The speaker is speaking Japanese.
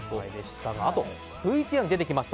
あと、ＶＴＲに出てきました